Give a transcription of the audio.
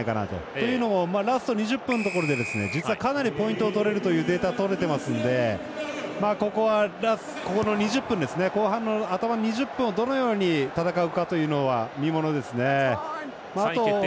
というのもラスト２０分のところで実はかなりポイントを取れるというデータがありますのでここの後半の頭２０分でどのように戦うのかというのは見ものですね。